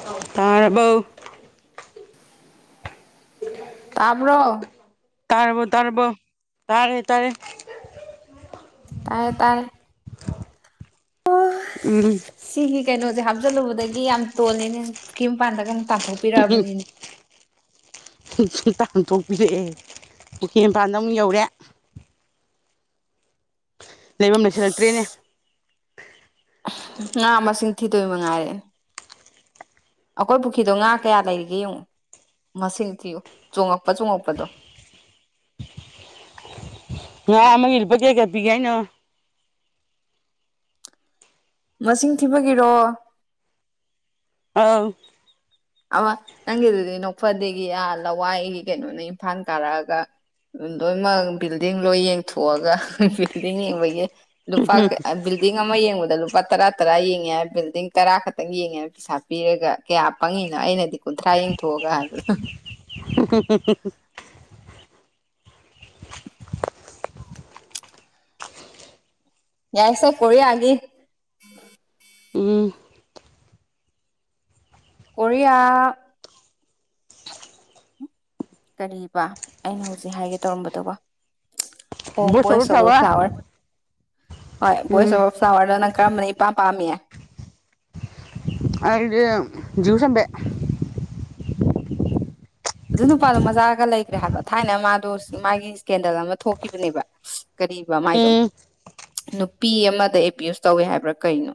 [unintelligible] ꯇꯥꯔꯕꯣ ꯇꯥꯕ꯭ꯔꯣ ꯇꯥꯔꯕꯣ ꯇꯥꯔꯕꯣ ꯇꯥꯔꯦ ꯇꯔꯦ ꯇꯥꯔꯦ ꯇꯥꯔꯦ ꯎꯝ꯫ ꯁꯤꯒꯤ ꯀꯩꯅꯣꯖꯦ ꯍꯥꯞꯆꯜꯂꯨꯕꯗꯒꯤ ꯌꯥꯝ ꯇꯣꯜꯂꯦꯅꯦ ꯃꯄꯥꯟꯗꯒ ꯃꯨꯛ ꯇꯥꯟꯊꯣꯛ꯫ ꯎꯝ꯫ ꯎꯝ ꯑꯝꯇ ꯍꯊꯣꯛꯄꯤꯔꯛꯑꯦ ꯄꯨꯈꯤꯝꯄꯥꯟꯗ ꯃꯨꯛ ꯌꯧꯔꯦ꯫ ꯂꯩꯕꯝ ꯂꯩꯁꯜꯂꯛꯇ꯭ꯔꯦꯅꯦ꯫ ꯉꯥ ꯃꯁꯤꯡ ꯊꯤꯗꯣꯏ ꯃꯉꯥꯏꯔꯦ꯫ ꯑꯈꯣꯏ ꯄꯨꯈꯤꯗꯣ ꯉꯥ ꯀꯌꯥ ꯂꯩꯔꯤꯒꯦ ꯌꯦꯡꯉꯣ ꯃꯁꯤꯡ ꯊꯤꯌꯨ ꯆꯣꯡꯉꯛꯄ ꯆꯣꯡꯉꯛꯄꯗꯣ꯫ ꯉꯥ ꯑꯃꯗ ꯂꯨꯄꯥ ꯀꯌꯥ ꯄꯤꯒꯦ ꯍꯥꯏꯅꯣ꯫ ꯃꯁꯤꯡ ꯊꯤꯕꯒꯤꯔꯣ? ꯑꯪ꯫ ꯑ ꯅꯪꯒꯤꯗꯨꯗꯤ ꯅꯣꯛꯐꯗꯦꯒꯤ ꯑ ꯂꯋꯥꯏꯒꯤ ꯀꯩꯅꯣꯅ ꯏꯝꯐꯥꯟ ꯀꯥꯔꯛꯑꯒ꯫ ꯂꯣꯏꯃꯛ ꯕꯤꯜꯗꯤꯡ ꯂꯣꯏ ꯌꯦꯡꯊꯣꯛꯑꯒ ꯕꯤꯜꯗꯤꯡ ꯌꯦꯡꯕꯒꯤ ꯂꯨꯄꯥ ꯀꯌꯥ ꯕꯤꯜ ꯕꯤꯜꯗꯤꯡ ꯑꯃ ꯌꯦꯡꯕꯗ ꯂꯨꯄꯥ ꯇꯔꯥ ꯇꯔꯥ ꯌꯦꯡꯉꯦ ꯍꯥꯏ ꯕꯤꯜꯗꯤꯡ ꯇꯔꯥ ꯈꯛꯇꯪ ꯌꯦꯡꯉꯦ ꯄꯩꯁꯥ ꯄꯤꯔꯒ ꯀꯌꯥ ꯄꯪꯉꯤꯅꯣ ꯑꯩꯅꯗꯤ ꯀꯨꯟꯊ꯭ꯔꯥ ꯌꯦꯡꯊꯣꯛꯑꯒ ꯍꯥꯏꯕ꯫ [unintelligible] ꯌꯥꯔꯦꯁꯦ ꯀꯣꯔꯤꯌꯥꯒꯤ ꯎꯝ ꯀꯣꯔꯤꯌꯥ꯫ ꯀꯔꯤꯕꯥ ꯑꯩꯅ ꯍꯧꯖꯤꯛ ꯍꯥꯏꯒꯦ ꯇꯧꯔꯝꯕꯗꯨꯕꯨ ꯑꯣ ꯕꯣꯏꯁ ꯑꯣꯕꯔ ꯐ꯭ꯂꯥꯋꯔ꯫ ꯍꯣꯏ ꯕꯣꯏꯁ ꯎꯝ ꯑꯣꯐ ꯐ꯭ꯂꯥꯋꯔꯗꯣ ꯅꯪ ꯀꯔꯝꯕꯅ ꯏꯄꯥꯝ ꯄꯥꯝꯃꯤ? ꯑꯩꯗꯤ ꯖꯤꯌꯨ ꯁꯝꯕꯦ꯫ ꯑꯗꯨ ꯅꯨꯄꯥꯗꯣ ꯃꯆꯥꯒ ꯂꯩꯈ꯭ꯔꯦ ꯍꯥꯏꯕ ꯊꯥꯏꯅ ꯃꯥꯗꯣ ꯃꯥꯒꯤ ꯏꯁꯀꯦꯟꯗꯜ ꯑꯃ ꯊꯣꯛꯈꯤꯕꯅꯦꯕ꯫ [unintelligible] ꯀꯔꯤꯕꯥ ꯃꯥꯏꯗꯣ? ꯎꯝ ꯅꯨꯄꯤ ꯑꯃꯗ ꯑꯦꯄ꯭ꯌꯨꯁ ꯇꯧꯋꯦ ꯍꯥꯏꯕ꯭ꯔꯥ ꯀꯩꯅꯣ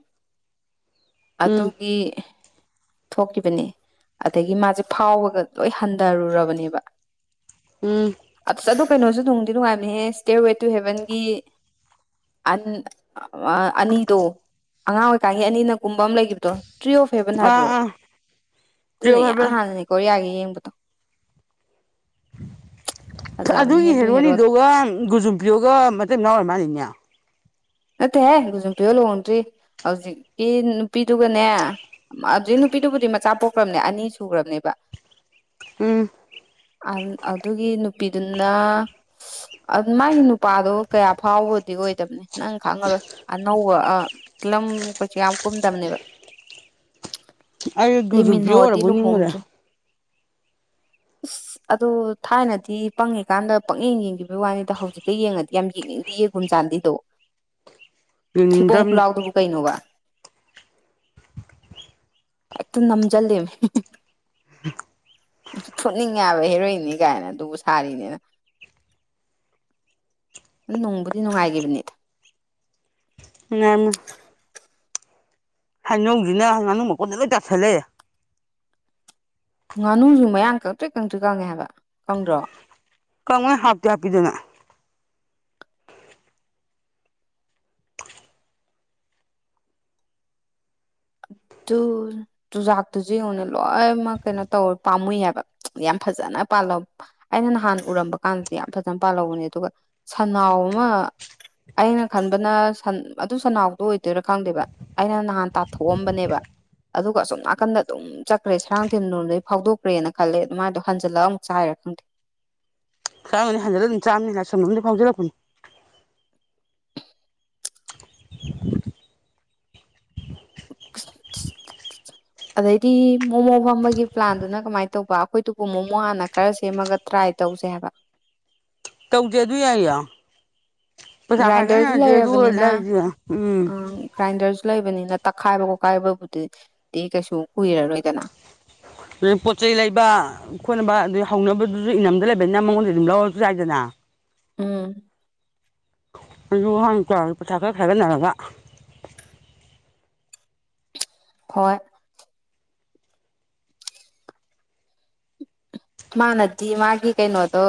ꯎꯝ ꯑꯇꯨꯒꯤ ꯊꯣꯛꯈꯤꯕꯅꯦ ꯑꯗꯒꯤ ꯃꯥꯁꯦ ꯐꯥꯎꯕꯒ ꯂꯣꯏ ꯍꯟꯗꯔꯨꯔꯕꯅꯦꯕ ꯎꯝ ꯑꯁ ꯑꯗꯣ ꯀꯩꯅꯣꯁꯨ ꯅꯨꯡꯗꯤ ꯅꯨꯡꯉꯥꯏꯕꯅꯦꯍꯦ ꯁ꯭ꯇꯦꯌꯔꯋꯦ ꯇꯨ ꯍꯦꯚꯦꯟꯒꯤ ꯑꯟ ꯑ ꯑꯅꯤꯗꯣ ꯑꯉꯥꯡ ꯑꯣꯏꯀꯥꯟꯒꯤ ꯑꯅꯤꯅ ꯀꯨꯝꯕ ꯑꯃ ꯂꯩꯒꯤꯕꯗꯣ ꯇ꯭ꯔꯤ ꯑꯣꯐ ꯐꯦꯕꯟ ꯍꯥꯏꯕ꯭ꯔꯣ ꯑꯥ ꯑꯥ ꯑꯗꯨꯅ ꯇꯨꯌꯦꯜꯞ ꯍꯥꯏꯕ ꯏꯍꯥꯟ ꯍꯥꯟꯕꯅꯦ ꯀꯣꯔꯤꯌꯥꯒꯤ ꯌꯦꯡꯕꯗꯣ [unintelligible] ꯐꯖꯕꯅꯦꯍꯦ ꯑꯗꯨꯒꯤ ꯑꯗꯨ ꯍꯦꯔꯣꯗꯣ ꯍꯦꯔꯣꯅꯤꯗꯨꯒ ꯒꯨꯖꯨꯝꯄꯤꯌꯣꯒ ꯃꯇꯩ ꯃꯅꯥꯎ ꯑꯣꯏꯔ ꯃꯥꯜꯂꯤꯅꯦ ꯅꯠꯇꯦꯍꯦ ꯒꯨꯖꯨꯝꯄꯤꯌꯣ ꯂꯨꯍꯣꯡꯗ꯭ꯔꯤ ꯑꯧꯖꯤꯛꯀꯤ ꯅꯨꯄꯤꯗꯨꯒꯅꯦ ꯑꯗꯨꯏ ꯅꯨꯄꯤꯗꯨꯕꯨꯗꯤ ꯃꯆꯥ ꯄꯣꯛꯈ꯭ꯔꯝꯅꯦ ꯑꯅꯤ ꯁꯨꯒ꯭ꯔꯕꯅꯦꯕ ꯎꯝ ꯑꯟ ꯑꯗꯨꯒꯤ ꯅꯨꯄꯤꯗꯨꯅ ꯑ ꯃꯥꯒꯤ ꯅꯨꯄꯥꯗꯣ ꯀꯌꯥ ꯐꯥꯎꯕꯗꯤ ꯑꯣꯏꯗꯕꯅꯦ ꯅꯪ ꯈꯪꯉꯔꯣꯏ ꯑꯅꯧꯕ ꯑ ꯀ꯭ꯂꯤꯑꯝ ꯀꯩꯁꯨ ꯌꯥꯝ ꯀꯨꯝꯗꯕꯅꯦꯕ ꯑꯩ ꯒꯨꯖꯨꯝꯄꯤꯌꯣ ꯂꯤꯃꯤꯟꯍꯣꯗꯤ ꯑꯣꯏꯔꯕꯣꯏ ꯅꯤꯡꯉꯨꯔꯦ ꯂꯨꯍꯣꯡꯗ꯭ꯔꯤ ꯑꯁ ꯑꯗꯣ ꯊꯥꯏꯅꯗꯤ ꯄꯪꯉꯤꯀꯥꯟꯗ ꯄꯪꯌꯦꯡ ꯌꯦꯡꯒꯤꯕ ꯋꯥꯅꯤꯗ ꯍꯧꯖꯤꯛꯀ ꯌꯦꯡꯉꯗꯤ ꯌꯥꯝ ꯌꯦꯡꯅꯤꯡꯗꯤꯌꯦ ꯒꯨꯝꯖꯥꯟꯗꯤꯗꯣ ꯊꯤꯄꯣꯡ ꯌꯦꯡꯅꯤꯡꯗ꯭ꯔꯕꯅꯤ ꯈꯨꯂꯥꯎꯗꯨꯕꯨ ꯀꯩꯅꯣꯕ ꯑꯦꯛꯇ ꯅꯝꯖꯜꯂꯦꯃꯤ [unintelligible] ꯐꯨꯠꯅꯤꯡꯉꯦꯏꯕ ꯍꯦꯔꯣꯏꯟꯅꯤ ꯀꯥꯏꯅ ꯑꯗꯨꯕꯨ ꯁꯥꯔꯤꯅꯦꯅ ꯑꯗꯨ ꯅꯨꯡꯕꯨꯗꯤ ꯅꯨꯡꯉꯥꯏꯒꯤꯕꯅꯦ ꯅꯨꯉꯥꯏꯃꯦ ꯍꯩꯅꯧꯖꯤꯅ ꯉꯥꯅꯨ ꯃꯀꯣꯟꯗ ꯂꯣꯏ ꯇꯥꯥꯁꯜ ꯂꯩꯔꯦ ꯉꯥꯅꯨꯖꯨ ꯃꯌꯥꯡ ꯀꯪꯇ꯭ꯔꯤ ꯀꯪꯇ꯭ꯔꯤ ꯀꯪꯉꯦ ꯍꯥꯏꯕ ꯀꯪꯗ꯭ꯔꯣ ꯀꯪꯉꯦ ꯍꯥꯞꯇꯤ ꯍꯥꯞꯄꯤꯗꯅ ꯇꯨꯔ ꯆꯨꯖꯥꯛꯇꯨꯖꯨ ꯌꯦꯡꯉꯨꯅꯦ ꯂꯣꯏꯃꯛ ꯀꯩꯅꯣ ꯇꯧ ꯄꯥꯝꯃꯨꯏꯌꯦꯕ ꯌꯥꯝ ꯐꯖꯟꯅ ꯄꯥꯜꯂ ꯑꯩꯅ ꯅꯍꯥꯟ ꯎꯔꯝꯕ ꯀꯥꯟꯗꯗꯤ ꯌꯥꯝ ꯐꯖꯟ ꯄꯥꯜꯂꯧꯕꯅꯦ ꯑꯗꯨꯒ ꯁꯟꯅꯥꯎ ꯑꯃ ꯑꯩꯅ ꯈꯟꯕꯅ ꯁꯟ ꯑꯗꯨ ꯁꯟꯅꯥꯎꯗꯣ ꯑꯣꯏꯗꯣꯏꯔꯥ ꯈꯪꯗꯦꯕ ꯑꯩꯅ ꯅꯍꯥꯟ ꯇꯥꯊꯣꯛꯑꯝꯕꯅꯦꯕꯢ ꯑꯗꯨꯒ ꯑꯁꯣꯝ ꯅꯥꯀꯟꯗ ꯑꯗꯨꯝ ꯆꯠ꯭ꯔꯦ ꯁꯔꯥꯡꯊꯦꯝ ꯂꯣꯝꯗꯩ ꯐꯥꯎꯗꯣꯛ꯭ꯔꯦꯅ ꯈꯜꯂꯦ ꯑꯗꯨꯃꯥꯏ ꯗꯣ ꯍꯟꯖꯜꯂꯒ ꯑꯃꯨ ꯆꯥꯏꯔꯥ ꯈꯪꯗꯦ ꯆꯥꯔꯝꯅꯤ ꯍꯟꯖꯤꯂ ꯑꯃꯨꯛ ꯆꯝꯅꯤꯅ [unintelligible] ꯁꯝꯗꯤ ꯐꯥꯎꯖꯔꯛꯄꯅꯤ [unintelligible] ꯑꯗꯩꯗꯤ ꯃꯣꯃꯣ ꯐꯝꯕꯒꯤ ꯄ꯭ꯂꯥꯟꯗꯨꯅ ꯀꯃꯥꯏꯅ ꯇꯧꯕ ꯑꯩꯈꯣꯏꯗꯨꯕꯨ ꯃꯣꯃꯣ ꯍꯥꯟꯅ ꯈꯔ ꯁꯦꯝꯃꯒ ꯇ꯭ꯔꯥꯏ ꯇꯧꯁꯦ ꯍꯥꯏꯕ ꯇꯧꯁꯦ ꯑꯗꯨ ꯌꯥꯏꯌꯦ ꯄꯩꯁꯥ ꯒ꯭ꯔꯥꯏꯟꯗꯔꯁꯨ ꯈꯥꯏꯒꯠꯅꯁꯦ ꯑꯗꯨꯒ ꯂꯩꯔꯕꯅꯤꯅ ꯂꯩꯔꯁꯦ ꯎꯝ ꯒ꯭ꯔꯥꯏꯟꯗꯔꯁꯨ ꯂꯩꯕꯅꯤꯅ ꯇꯛꯈꯥꯏꯕ ꯈꯣꯠꯈꯥꯏꯕꯕꯨꯗꯤꯗꯤ ꯀꯩꯁꯨ ꯀꯨꯏꯔꯔꯣꯏꯗꯅ ꯑꯗꯨ ꯄꯣꯠ ꯆꯩ ꯂꯩꯕ ꯈꯣꯠꯅꯕ ꯑꯗꯨ ꯍꯧꯅꯕꯗꯨꯁꯨ ꯏꯅꯝꯗ ꯂꯩꯕꯅꯤꯅ ꯃꯉꯣꯟꯗ ꯑꯗꯨꯝ ꯂꯧꯔꯁꯨ ꯌꯥꯏꯗꯅ ꯎꯝ ꯑꯗꯨ ꯍꯥꯡ ꯇꯧꯔꯁꯦ ꯄꯩꯁꯥ ꯈꯔ ꯈꯥꯏꯒꯠꯅꯔꯒ ꯍꯣꯏ ꯃꯥꯅꯗꯤ ꯃꯥꯒꯤ ꯀꯩꯅꯣꯗꯣ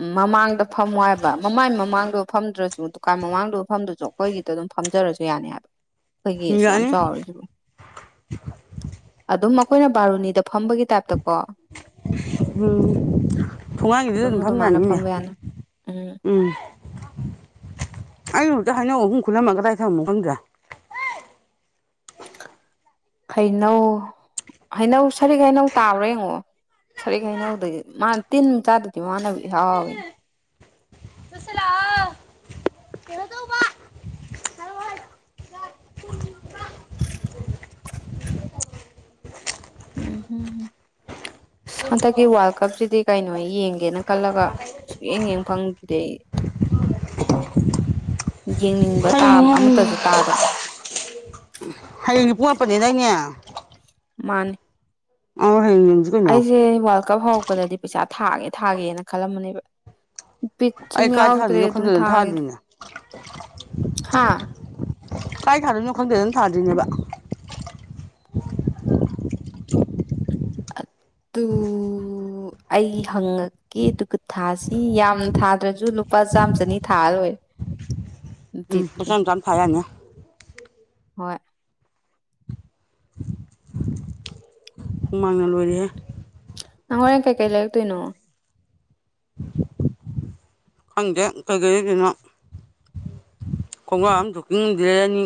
ꯎꯝ ꯃꯃꯥꯡꯗ ꯐꯝꯃꯣ ꯍꯥꯏꯕ ꯃꯃꯥꯏ ꯃꯃꯥꯡꯗꯕ ꯐꯝꯗ꯭ꯔꯁꯨ ꯗꯨꯀꯥꯟ ꯃꯃꯥꯡꯗꯕ ꯐꯝꯗꯁꯨ ꯑꯩꯈꯣꯏꯒꯤꯗ ꯑꯗꯨꯝ ꯐꯝꯖꯔꯁꯨ ꯌꯥꯅꯤ ꯍꯥꯏꯕ ꯑꯩꯈꯣꯏꯒꯤꯁꯨ ꯑꯁꯨꯛ ꯌꯥꯝ ꯌꯥꯅꯤ ꯆꯥꯎꯔꯤꯁꯤꯕꯨ ꯑꯗꯨꯝ ꯑꯩꯈꯣꯏꯅ ꯕꯥꯔꯨꯅꯤꯗ ꯐꯝꯕꯒꯤ ꯇꯥꯏꯞꯇꯀꯣ ꯎꯝ ꯊꯣꯡꯒꯥꯡꯒꯤꯗꯨꯗ ꯑꯗꯨꯝ ꯐꯝ ꯑꯗꯨꯃꯥꯏꯅ ꯌꯥꯅꯤꯅꯦ ꯐꯝꯕ ꯌꯥꯅꯤ ꯎꯝ ꯑꯩꯅ ꯍꯧꯛꯇ ꯍꯩꯅꯧ ꯑꯍꯨꯝ ꯈꯨꯜꯂꯝꯃ ꯀꯗꯥꯏ ꯊꯝꯃꯝꯃꯣ ꯈꯪꯗ꯭ꯔꯦ ꯍꯩꯅꯧ ꯍꯩꯅꯧ ꯁꯔꯤꯛ ꯍꯩꯅꯧ ꯇꯥꯕ꯭ꯔ ꯌꯦꯡꯉꯣ ꯁꯔꯤꯛ ꯍꯩꯅꯧꯗꯗꯤ ꯃꯥꯅ ꯇꯤꯟ ꯆꯥꯗꯗꯤ ꯃꯥꯅꯕꯨ ꯏꯍꯥꯎ ꯍꯥꯎꯋꯤꯟ ꯀꯩꯅꯣ ꯇꯧꯕ ꯎꯝ ꯑꯁ ꯍꯟꯗꯛꯀꯤ ꯋꯥꯔꯜ ꯀꯞꯁꯤꯗꯤ ꯀꯩꯅꯣ ꯌꯦꯡꯒꯦꯅ ꯈꯜꯂꯒ ꯁꯨꯡꯌꯦꯡ ꯌꯦꯡ ꯐꯪꯗꯦ ꯌꯦꯡꯅꯤꯡꯕ ꯍꯌꯦꯡ ꯇꯥꯝ ꯑꯃꯠꯇꯁꯨ ꯇꯥꯗꯕ ꯎꯝ ꯍꯌꯦꯡꯗꯤ ꯄꯨꯡ ꯃꯥꯄꯟꯅꯦꯗꯥꯏꯅꯦ ꯃꯥꯅꯤ ꯑꯧ ꯍꯌꯦꯡ ꯌꯦꯡꯁꯤ ꯀꯩꯅꯣ ꯑꯩꯁꯦ ꯋꯥꯔꯜ ꯀꯞ ꯍꯧꯔꯛꯄꯗꯗꯤ ꯄꯩꯁꯥ ꯊꯥꯒꯦ ꯊꯥꯒꯦꯅ ꯈꯜꯂꯝꯕꯅꯦꯕ ꯕꯤꯠ ꯁꯨꯝ ꯑꯩ ꯀꯥꯏ ꯌꯥꯎꯔꯛꯇꯔ꯭ꯦ ꯊꯥꯗꯣꯏꯅꯣ ꯗꯨꯝ ꯈꯪꯗꯗꯅ ꯊꯥꯒꯤꯗꯔ꯭ꯦ ꯊꯥꯗ꯭ꯔꯤꯅꯦ ꯍꯥꯥ ꯀꯥꯏ ꯊꯥꯗꯣꯏꯅꯣ ꯈꯡꯗꯦ ꯗꯨꯝ ꯊꯗꯣꯏꯅꯦꯕ ꯑꯗꯨ ꯑꯩ ꯍꯪꯉꯛ ꯀꯦ ꯑꯗꯨꯒ ꯊꯥꯁꯤ ꯌꯥꯝ ꯊꯥꯗ꯭ꯔꯁꯨ ꯂꯨꯄꯥ ꯆꯥꯝ ꯆꯅꯤ ꯊꯥꯔ ꯂꯣꯏ ꯎꯝ ꯂꯨꯄꯥ ꯆꯥꯝ ꯆꯥꯝ ꯊꯥ ꯌꯥꯅꯤ ꯍꯣꯏ ꯍꯨꯃꯥꯡꯅ ꯂꯣꯏꯔꯦꯍꯦ ꯅꯪ ꯍꯣꯔꯦꯟ ꯀꯩ ꯀꯩ ꯂꯩꯔꯛꯇꯣꯏꯅꯣ [inaudible] ꯈꯪꯗꯦ ꯀꯩ ꯀꯩ ꯂꯩꯗꯣꯏꯅꯣ ꯈꯣꯡꯒꯥ꯭ꯔꯎ ꯑꯝ ꯖꯣꯀꯤꯡ ꯑꯝꯗꯤ ꯂꯩꯔꯅꯤ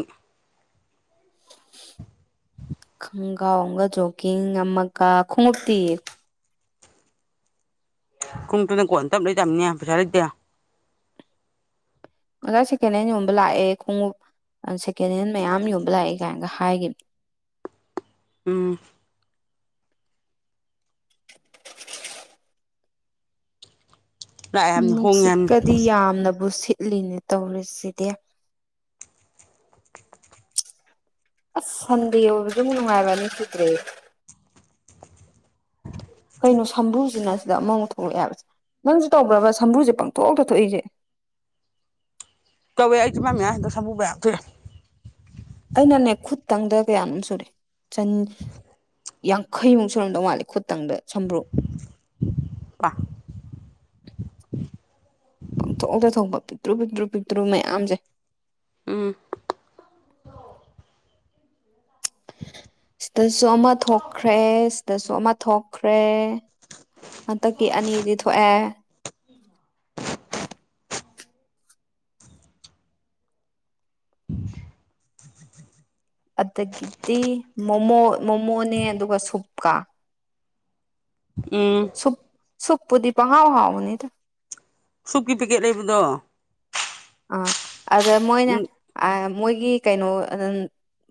ꯈꯡꯒꯥꯎ ꯑꯃꯒ ꯖꯣꯒꯤꯡ ꯑꯃꯛꯀ ꯈꯨꯉꯨꯞꯇꯤ ꯈꯣꯉꯨꯞꯇꯨꯅ ꯀꯣꯟꯅ ꯇꯞ ꯂꯩꯇꯥꯝꯅꯤꯅꯦ ꯄꯩꯁꯥ ꯂꯩꯇꯦ ꯑꯣꯖꯥ ꯁꯦꯀꯦꯟꯍꯦꯟ ꯌꯣꯟꯕ ꯂꯥꯛꯑꯦ ꯈꯣꯡꯎꯞ ꯁꯦꯀꯦꯟꯍꯦꯟ ꯃꯌꯥꯝ ꯌꯣꯟꯕ ꯂꯥꯛꯑꯦ ꯀꯥꯏꯅꯒ ꯍꯥꯏꯒꯤꯝꯅꯤ ꯎꯝ ꯂꯥꯛꯑꯦ ꯍꯥꯏꯕꯅꯤ ꯍꯣꯡꯉꯦ ꯍꯥꯏꯕꯅꯤ ꯅꯨꯡꯁꯤꯠꯀꯗꯤ ꯌꯥꯝꯅꯕꯨ ꯁꯤꯠꯂꯤꯅꯦ ꯇꯧꯔꯤꯁꯤꯗꯤ ꯑꯁ ꯁꯟꯗꯦ ꯑꯣꯏꯕꯖꯤꯃꯨꯛ ꯅꯨꯡꯉꯥꯏꯕ ꯑꯅꯤ ꯁꯨꯗꯔ꯭ꯦ ꯀꯩꯅꯣ ꯁꯝꯕ꯭ꯔꯨꯖꯤꯅ ꯁꯤꯗ ꯑꯃꯃꯨꯛ ꯊꯣꯛꯂꯛꯑꯦ ꯍꯥꯏꯕꯁꯦ ꯅꯪꯁꯨ ꯇꯧꯕ꯭ꯔꯕ ꯁꯝꯕ꯭ꯔꯨꯁꯦ ꯄꯪꯊꯣꯛꯇ ꯊꯣꯛꯏꯖꯦ ꯇꯧꯋꯦ ꯑꯩꯖꯨ ꯆꯤꯝꯕꯥꯜ ꯃꯌꯥꯁꯤꯗ ꯁꯝꯕꯔꯨ ꯃꯌꯥꯝ ꯊꯣꯛꯑꯦ ꯑꯩꯅꯅꯦ ꯈꯨꯠꯇꯪꯗ ꯀꯌꯥꯝ ꯁꯨꯔꯦ ꯆꯟ ꯌꯥꯡꯈꯩꯃꯨꯛ ꯁꯨꯔꯝꯗꯧ ꯃꯥꯜꯂꯦ ꯈꯨꯠꯇꯪꯗ ꯁꯝꯕ꯭ꯔꯨ ꯀ ꯄꯡꯊꯣꯡꯗ ꯊꯣꯡꯕ ꯄꯤꯛꯇ꯭ꯔꯨ ꯄꯤꯛꯇ꯭ꯔꯨ ꯄꯤꯛꯇ꯭ꯔꯨ ꯃꯌꯥꯝꯖꯦ ꯎꯝ ꯁꯤꯗꯁꯨ ꯑꯃ ꯊꯣꯛꯈ꯭ꯔꯦ ꯗꯁꯨ ꯑꯃ ꯊꯣꯛꯈ꯭ꯔꯦ ꯍꯟꯇꯛꯀꯤ ꯑꯅꯤꯗꯤ ꯊꯣꯛꯑꯦ [inaudible] ꯑꯗꯒꯤꯗꯤ ꯃꯣꯃꯣ ꯃꯣꯃꯣꯅꯦ ꯑꯗꯨꯒ ꯁꯨꯞꯀꯥ ꯎꯝ ꯊꯨꯞ ꯁꯨꯞꯄꯨꯗꯤ ꯄꯪꯍꯥꯎ ꯍꯥꯎꯕꯅꯤꯗꯥ ꯁꯨꯞꯀꯤ ꯄꯦꯀꯦꯠ ꯂꯩꯕꯗꯣ ꯑꯥ ꯑꯗ ꯃꯣꯏꯅ ꯎꯝ ꯑꯥ ꯃꯣꯏꯒꯤ ꯀꯩꯅꯣ ꯑꯅꯟ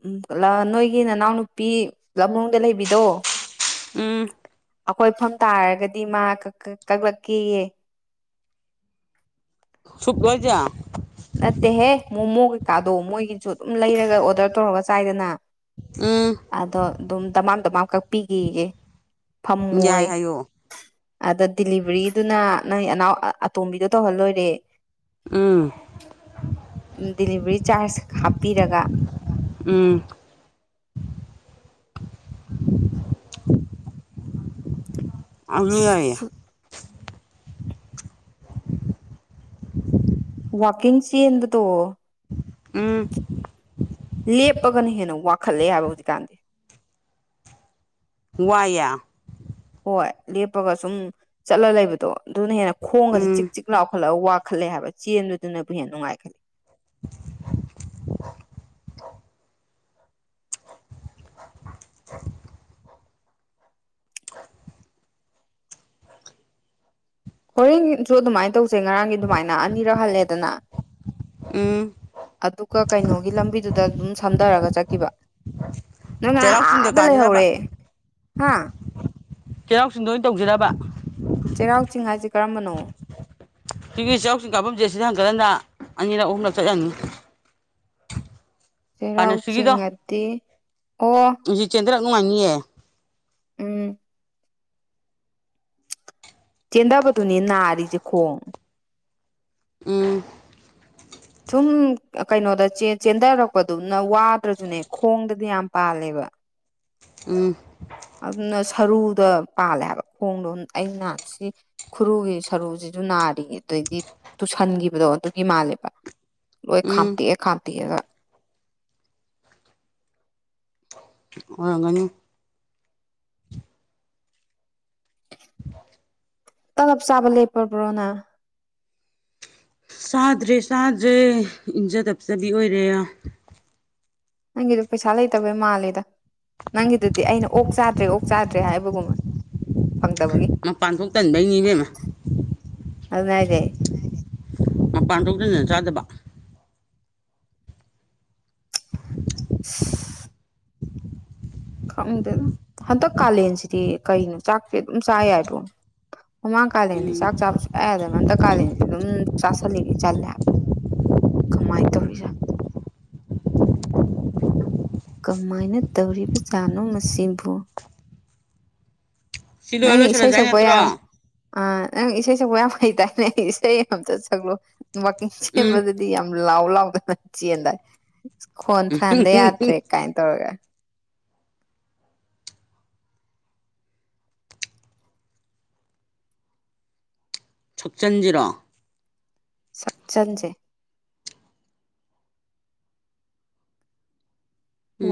ꯎꯝ ꯂ ꯅꯣꯏꯒꯤ ꯅꯅꯥꯎꯅꯨꯄꯤ ꯂꯝꯂꯣꯡꯗ ꯂꯩꯕꯤꯗꯣ ꯎꯝ ꯑꯩꯈꯣꯏꯐꯝ ꯇꯥꯔꯒꯗꯤ ꯃꯥ ꯀꯛ ꯀꯛ ꯀꯛꯂꯛꯀꯦꯌꯦ ꯁꯨꯞꯂꯣ ꯍꯥꯏꯖꯦ ꯅꯠꯇꯦꯍꯦ ꯃꯣꯃꯣ ꯀꯩꯀꯥꯗꯣ ꯃꯣꯏꯒꯤꯖꯨꯠ ꯑꯗꯨꯝ ꯂꯩꯔꯒ ꯑꯣꯗꯔ ꯇꯧꯔꯒ ꯆꯥꯏꯗꯅ ꯎꯝ ꯑꯗꯣ ꯑꯗꯨꯝ ꯗꯃꯥꯝ ꯗꯃꯥꯝ ꯀꯛꯄꯤꯒꯦꯌꯦ ꯐꯝꯃꯣꯏ ꯌꯥꯏ ꯍꯥꯏꯌꯣ ꯑꯗ ꯗꯤꯂꯤꯚꯔꯤꯗꯨꯅ ꯅꯣꯏ ꯑꯅꯥꯎ ꯑꯇꯣꯝꯕꯤꯗꯣ ꯇꯧꯍꯜꯂꯣꯏꯔꯦ ꯎꯝ ꯗꯤꯂꯤꯚꯔꯤ ꯆꯥꯔꯖ ꯍꯞꯄꯤꯔꯒ ꯎꯝ ꯑꯗꯨ ꯌꯥꯏꯌꯦ ꯋꯥꯥꯛꯀꯤꯡ ꯆꯦꯟꯕꯗꯣ ꯎꯝ ꯂꯦꯞꯄꯒꯅ ꯍꯦꯟꯅ ꯋꯥꯈꯠꯂꯦ ꯍꯥꯏꯕ ꯍꯧꯖꯤꯛꯀꯥꯟꯗꯤ ꯋꯥꯏꯌꯦ ꯍꯣꯏ ꯂꯦꯞꯄꯒ ꯁꯨꯝ ꯆꯠꯂ ꯂꯩꯕꯗꯣ ꯑꯗꯨꯅ ꯍꯦꯟꯅ ꯈꯣꯡꯒꯖꯦ ꯆꯤꯛ ꯎꯝ ꯆꯤꯛ ꯂꯥꯎꯈꯠꯂꯒ ꯋꯥ__ ꯈꯜꯂꯦ ꯍꯥꯏꯕ ꯆꯦꯟꯕꯗꯨꯅꯕꯨ ꯍꯦꯟꯅ ꯅꯨꯡꯉꯥꯏ ꯈꯜꯂꯤ [unintelligible] [unintelligible] ꯍꯣꯔꯦꯟꯒꯤꯁꯨ ꯑꯗꯨꯃꯥꯏꯅ ꯇꯧꯁꯦ ꯉꯔꯥꯡꯒꯤ ꯑꯗꯨꯃꯥꯏꯅ ꯑꯅꯤꯔꯛ ꯍꯜꯂꯦꯗꯅ ꯎꯝ ꯑꯗꯨꯒ ꯀꯩꯅꯣꯒꯤ ꯂꯝꯕꯤꯗꯨꯗ ꯑꯗꯨꯝ ꯁꯝꯊꯔꯒ ꯆꯠꯈꯤꯕ ꯅꯪ ꯉꯔꯥꯡ ꯆꯩꯔꯥꯎ ꯆꯤꯡꯗ ꯑꯗ ꯀꯥꯁꯤꯔꯕ ꯂꯩꯍꯧꯔꯦ ꯍꯥꯥ ꯆꯩꯔꯥꯎ ꯆꯤꯡꯗ ꯑꯣꯏꯅꯥ ꯇꯧꯖꯤꯔꯕ ꯆꯩꯔꯥꯎ ꯆꯤꯡ ꯍꯥꯏꯖꯦ ꯀꯔꯝꯕꯅꯣ ꯁꯤꯒꯤ ꯆꯩꯔꯥꯎ ꯆꯤꯡ ꯀꯥꯐꯝꯖꯦ ꯁꯤꯗ ꯍꯟꯒꯠ ꯍꯟꯗ ꯑꯅꯤꯔꯛ ꯑꯍꯨꯝꯛ ꯆꯠ ꯌꯥꯅꯤ ꯆꯩꯔꯥꯎ ꯆꯤꯡ ꯍꯥꯗꯤ ꯑꯣ ꯍꯧꯖꯤꯛ ꯆꯦꯟꯗꯔꯛ ꯅꯨꯡꯉꯥꯏꯅꯤꯌꯦ ꯎꯝ ꯆꯦꯟꯗꯕꯗꯨꯅꯦ ꯅꯥꯔꯤꯖꯦ ꯈꯣꯡ ꯎꯝ ꯁꯨꯝ ꯀꯩꯅꯣꯗ ꯆꯦꯟꯊꯔꯛꯄꯗꯨꯅ ꯋꯥꯗ꯭ꯔꯁꯨꯅꯦ ꯈꯣꯡꯗꯗꯤ ꯌꯥꯝ ꯄꯥꯜꯂꯦꯕ ꯑꯝ ꯑꯗꯨꯅ ꯁꯔꯨꯗ ꯄꯥꯜꯂꯦ ꯍꯥꯏꯕ ꯈꯣꯡꯗꯣ ꯑꯩ ꯅꯍꯥꯟꯁꯤ ꯈꯨꯔꯨꯒꯤ ꯁꯔꯨꯖꯤꯁꯨ ꯅꯥꯔꯤꯌꯦ ꯑꯗꯨꯗꯩꯗꯤ ꯇꯨꯁꯟꯒꯤꯕꯗꯣ ꯑꯗꯨꯒꯤ ꯃꯥꯜꯂꯦꯕ ꯂꯣꯏ ꯎꯝ ꯈꯥꯝꯇꯦꯛ ꯈꯥꯝꯇꯦꯛ ꯑꯒ ꯑꯣꯏꯔꯝꯒꯅꯤ ꯇꯥꯂꯕ ꯆꯥꯕ ꯂꯦꯞꯄꯕ꯭ꯔꯣ ꯅꯪ ꯆꯥꯗ꯭ꯔꯦ ꯆꯥꯗ꯭ꯔꯦ ꯏꯟꯖ ꯇꯞꯆꯕꯤ ꯑꯣꯏꯔꯦ ꯌꯥꯝ ꯅꯪꯒꯤꯗꯣ ꯄꯩꯁꯥ ꯂꯩꯇꯕꯩ ꯃꯥꯜꯂꯦꯗ ꯅꯪꯒꯤꯗꯨꯗꯤ ꯑꯩꯅ ꯑꯣꯛ ꯆꯥꯗ꯭ꯔꯦ ꯑꯣꯛ ꯆꯥꯗ꯭ꯔꯦ ꯍꯥꯏꯕꯒꯨꯝꯕ ꯐꯪꯗꯕꯒꯤ ꯃꯄꯥꯟꯊꯣꯛ ꯇꯟꯕꯩꯅꯤ ꯏꯕꯦꯝꯃ ꯑꯗꯨꯅꯦ ꯍꯥꯏꯖꯦ ꯃꯄꯥꯟ ꯊꯣꯛ ꯇꯟꯗꯅ ꯆꯗꯕ [unintelligible] ꯈꯪꯗꯦꯗ ꯍꯟꯇꯛ ꯀꯥꯂꯦꯟꯁꯤꯗꯤ ꯀꯩꯅꯣ ꯆꯥꯛꯁꯦ ꯑꯗꯨꯝ ꯆꯥ ꯌꯥꯏꯕꯣ ꯃꯃꯥꯡ ꯀꯥꯂꯦꯟꯗꯤ ꯎꯝ ꯆꯥꯛ ꯆꯥꯕ ꯁꯨꯡꯌꯥ ꯌꯥꯗꯕꯅꯦ ꯑꯗꯦ ꯍꯟꯗꯛ ꯀꯥꯂꯦꯟꯗꯤ ꯑꯗꯨꯝ ꯆꯥꯥꯁꯜꯂꯤꯒꯤ ꯆꯜꯂꯦ ꯍꯥꯏꯕ ꯀꯃꯥꯏ ꯇꯧꯔꯤ ꯖꯠꯅꯣ ꯀꯃꯥꯏꯅ ꯇꯧꯔꯤꯕ ꯖꯥꯅꯣ ꯑꯁꯤꯕꯨ ꯁꯤ ꯂꯣꯏꯔ ꯅꯪ ꯏꯁꯩ ꯂꯣꯏꯁꯤꯜꯂꯁꯦ ꯍꯥꯏ ꯁꯛꯄ ꯅꯠꯇ꯭ꯔꯣ ꯌꯥ ꯑ ꯅꯪ ꯏꯁꯩ ꯁꯛꯄ ꯌꯥꯝ ꯍꯩꯗꯥꯏꯅꯦ ꯏꯁꯩ ꯑꯃꯇ ꯁꯛꯂꯨ ꯋꯥꯛꯀꯤꯡ ꯎꯝ ꯆꯦꯟꯕꯗꯥ ꯗꯤ ꯌꯥꯝ ꯂꯥꯎ ꯂꯥꯎꯗꯅ ꯆꯦꯟꯗ ꯈꯣꯟ ꯐꯍꯟꯗ ꯌꯥꯗ꯭ꯔꯦ ꯀꯥꯏꯅ ꯇꯧꯔꯒ ꯁꯨꯞꯆꯟꯖꯤꯔꯣ ꯁꯨꯞꯆꯟꯖꯦ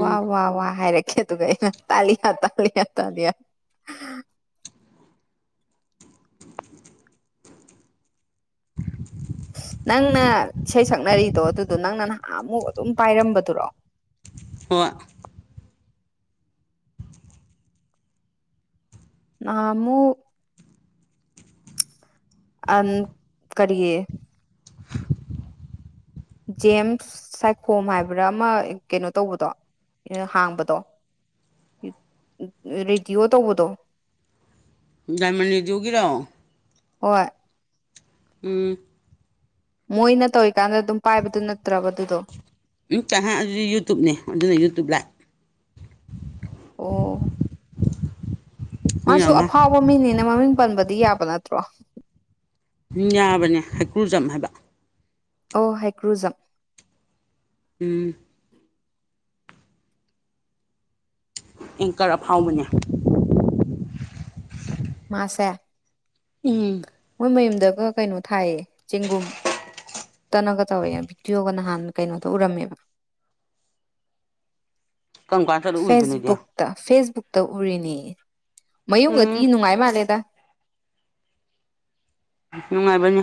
ꯋꯥ ꯋꯥ ꯋꯥ ꯍꯥꯏꯔꯛꯀꯦ ꯑꯗꯨꯒ ꯑꯩꯅ ꯇꯥꯂꯤꯌꯥ ꯇꯥꯂꯤꯌꯥ ꯇꯥꯂꯤꯌꯥ [inaudible] ꯅꯪꯅ ꯏꯁꯩ ꯁꯛꯅꯔꯤꯗꯣ ꯑꯗꯨꯗꯣ ꯅꯪꯅ ꯅꯍꯥꯟ ꯑꯃꯨꯛ ꯑꯗꯨꯝ ꯄꯥꯏꯔꯝꯕꯗꯨꯔꯣ ꯍꯣꯏ ꯅꯍꯟꯃꯨꯛ ꯑꯟ ꯀꯔꯤ ꯖꯦꯝꯁ ꯁꯥꯏꯈꯣꯝ ꯍꯥꯏꯕ꯭ꯔꯥ ꯑꯃ ꯀꯩꯅꯣ ꯇꯧꯕꯗꯣ ꯍꯥꯡꯕꯗꯣ ꯔꯦꯗꯤꯑꯣ ꯇꯧꯕꯗꯣ ꯗꯥꯏꯃꯟ ꯔꯦꯗꯤꯑꯣꯒꯤꯔꯣ ꯍꯣꯏ ꯎꯝ ꯃꯣꯏꯅ ꯇꯧꯔꯤꯀꯥꯟꯗ ꯑꯗꯨꯝ ꯄꯥꯏꯕꯗꯣ ꯅꯠꯇ꯭ꯔꯕ ꯑꯗꯨꯗꯣ ꯎꯝ ꯅꯇꯦꯍꯦ ꯑꯗꯨꯗꯤ ꯌꯨꯇꯌꯨꯞꯅꯤ ꯑꯗꯨꯅ ꯌꯨꯇꯨꯞ ꯂꯥꯢꯐ ꯑꯣ ꯑꯗꯨꯅ ꯃꯥꯁꯨ ꯑꯃ ꯑꯐꯥꯎꯕ ꯃꯤꯅꯤꯅ ꯃꯃꯤꯡ ꯄꯟꯕꯗꯤ ꯌꯥꯕ ꯅꯠꯇ꯭ꯔꯣ ꯌꯥꯕꯅꯦ ꯍꯩꯀ꯭ꯔꯨꯖꯝ ꯍꯥꯏꯕ ꯑꯣ ꯍꯦꯀ꯭ꯔꯨꯖꯝ ꯎꯝ ꯑꯦꯡꯀꯔ ꯑꯐꯥꯎꯕꯅꯦ ꯃꯥꯁꯦ ꯎꯝ ꯃꯣꯏ ꯃꯌꯨꯝꯗꯒ ꯀꯩꯅꯣ ꯊꯥꯏꯌꯦ ꯆꯦꯡꯒꯨꯝ ꯇꯅꯒ ꯇꯧꯋꯦꯕ ꯕꯤꯗꯤꯌꯣꯒ ꯅꯍꯥꯟ ꯀꯩꯅꯣꯗ ꯎꯔꯝꯃꯦꯕ ꯀꯔꯝ ꯀꯥꯟ ꯆꯠꯂ ꯎꯏꯕ ꯅꯣꯏꯗꯤ ꯐꯦꯁꯕꯨꯛ ꯇ ꯐꯦꯁꯕꯨꯛꯇ ꯎꯔꯤꯅꯦ ꯃꯌꯨꯝꯗꯗꯤ ꯎꯝ ꯅꯨꯡꯉꯥꯏ ꯃꯥꯜꯂꯦꯗ ꯅꯨꯡꯉꯥꯏꯕꯅꯤ